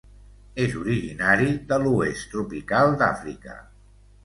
És originari de l'oest tropical d'Àfrica.